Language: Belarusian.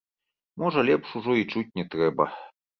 Можа, лепш ужо і чуць не трэба.